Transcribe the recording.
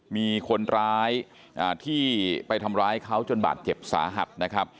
มีคนร้ายที่ไปทำร้ายเขาจนบาดเจ็บสาหัสนะครับ